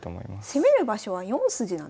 攻める場所は４筋なんですね。